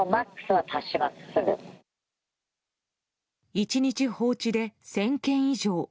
１日放置で１０００件以上。